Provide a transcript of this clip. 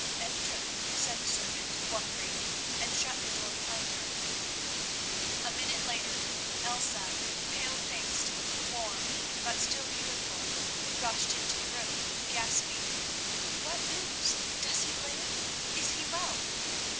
"Enter," said the servant wondering, and shut the door behind her. A minute later Elsa, pale faced, worn, but still beautiful, rushed into the room, gasping, "What news? Does he live? Is he well?"